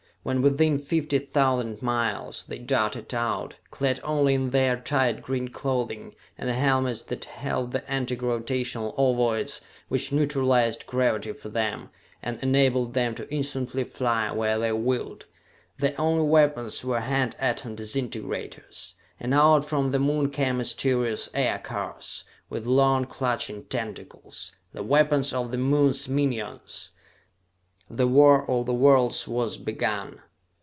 When within fifty thousand miles, they darted out, clad only in their tight green clothing and the helmets that held the anti gravitational ovoids, which neutralized gravity for them and enabled them to instantly fly where they willed. Their only weapons were hand atom disintegrators. And out from the Moon came mysterious aircars, with long clutching tentacles the weapons of the Moon's minions! The war of the worlds was begun!